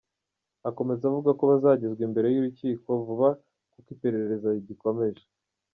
Akomeza avuga ko bazagezwa imbere y’urukiko vuba kuko iperereza rigikomeje.